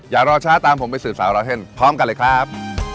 อย่ารอช้าตามผมไปสืบสาวราวเส้นพร้อมกันเลยครับ